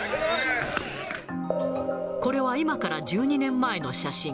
これは今から１２年前の写真。